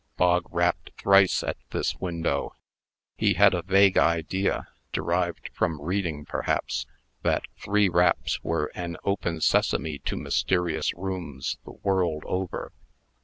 Bog rapped thrice at this window. He had a vague idea derived from reading, perhaps that three raps were an open sesame to mysterious rooms the world over.